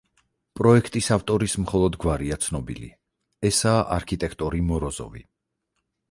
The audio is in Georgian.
პროექტის ავტორის მხოლოდ გვარია ცნობილი, ესაა არქიტექტორი მოროზოვი.